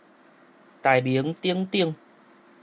大名鼎鼎